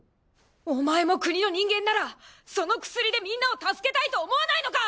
お前も国の人間ならその薬でみんなを助けたいと思わないのか！